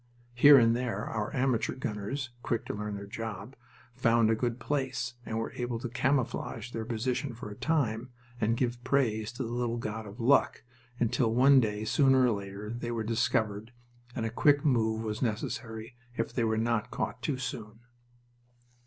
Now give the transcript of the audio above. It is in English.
Here and there our amateur gunners quick to learn their job found a good place, and were able to camouflage their position for a time, and give praise to the little god of Luck, until one day sooner or later they were discovered and a quick move was necessary if they were not caught too soon.